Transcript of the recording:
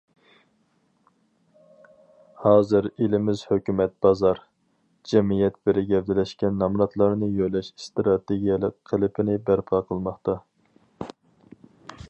ھازىر ئېلىمىز ھۆكۈمەت، بازار، جەمئىيەت بىر گەۋدىلەشكەن نامراتلارنى يۆلەش ئىستراتېگىيەلىك قېلىپىنى بەرپا قىلماقتا.